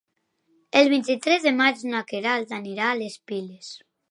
El vint-i-tres de maig na Queralt anirà a les Piles.